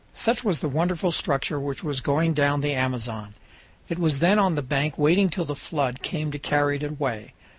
Such was the wonderful structure which was going down the Amazon. It was then on the bank waiting till the flood came to carry it away.